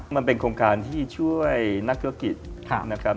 มันเป็นโครงการที่ช่วยนักธุรกิจนะครับ